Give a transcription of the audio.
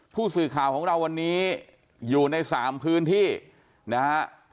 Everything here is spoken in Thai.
ผู้สื่อข่าวของเราวันนี้อยู่ใน๓พื้นที่นะฮะ